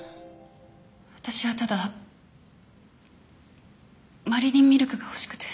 私はただマリリンミルクが欲しくて。